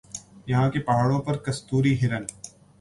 یہاں کے پہاڑوں پر کستوری ہرن